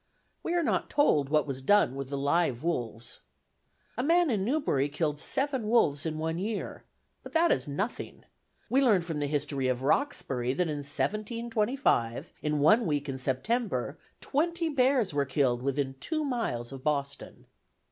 We are not told what was done with the live wolves. A man in Newbury killed seven wolves in one year; but that is nothing. We learn from the history of Roxbury that in 1725, in one week in September, twenty bears were killed within two miles of Boston!